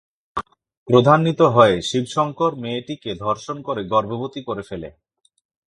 ক্রোধান্বিত হয়ে শিবশঙ্কর মেয়েটিকে ধর্ষণ করে গর্ভবতী করে ফেলে।